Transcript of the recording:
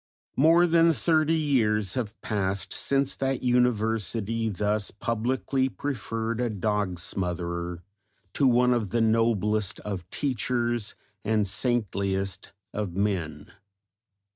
More than thirty years have passed since that University thus publicly preferred a dog smootherer to one of the noblest of teachers and saintliest of men.